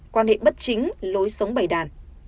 quan hệ bất chính lối sống bày đàn